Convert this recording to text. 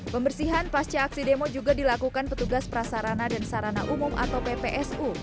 pembersihan pasca aksi demo juga dilakukan petugas prasarana dan sarana umum atau ppsu